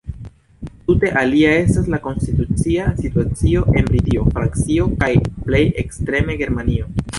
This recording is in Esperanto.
Tute alia estas la konstitucia situacio en Britio, Francio kaj plej ekstreme Germanio.